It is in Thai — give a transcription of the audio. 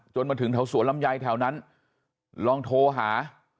จนมาถึงท้าวสวรรมไยแถวนั้นลองโทรหา